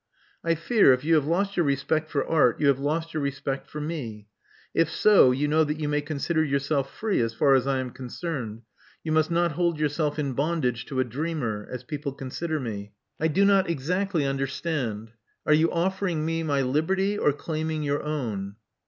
*' "I fear, if you have lost your respect for Art, you have lost your respect for me. If so, you know that you may consider yourself free as far as I am con cerned. You must not hold yourself in bondage to a dreamer, as people consider me.*' *'I do not exactly understand. Are you offering me my liberty, or claiming your own?